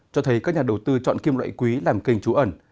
cho thấy các nhà đầu tư chọn kim loại quý làm kênh trú ẩn